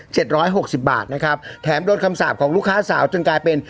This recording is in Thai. ร้อยหกสิบบาทนะครับแถมโดนคำสาปของลูกค้าสาวจนกลายเป็น